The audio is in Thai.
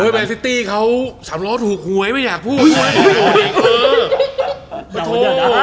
แมนซิตี้เขาสำรวจหูไหวไหมอยากพูดอย่างนี้